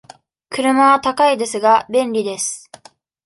車は高いですが、便利です。